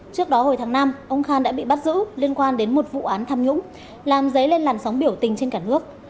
trước đó hồi tháng năm ông khan đã bị bắt giữ liên quan đến một vụ án tham nhũng làm dấy lên làn sóng biểu tình trên cả nước